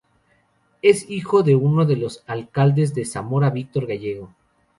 Es hijo de uno de los alcaldes de Zamora Víctor Gallego.